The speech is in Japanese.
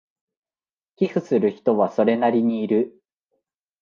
寄付する人はそれなりにいる